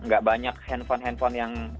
gak banyak handphone handphone yang